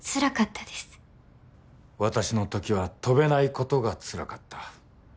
私の時は飛べないことがつらかった。